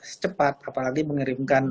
secepat apalagi mengirimkan